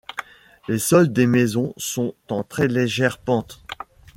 Les sols des maisons sont en très légère pente.